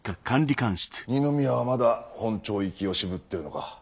二宮はまだ本庁行きを渋ってるのか？